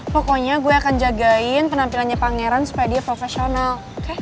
pokoknya gue akan jagain penampilannya pangeran supaya dia profesional